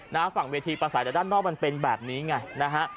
นะฮะฝั่งเวทีประสัยแต่ด้านนอกมันเป็นแบบนี้ไงนะฮะ